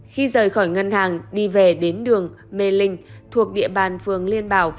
khi rời khỏi ngân hàng đi về đến đường mê linh thuộc địa bàn phường liên bảo